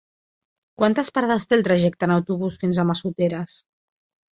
Quantes parades té el trajecte en autobús fins a Massoteres?